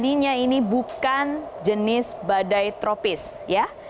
jadi laningnya ini bukan jenis badai tropis ya